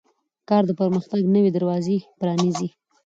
کار د پرمختګ نوې دروازې پرانیزي